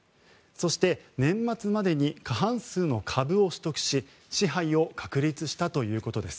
そして、年末までに過半数の株を取得し支配を確立したということです。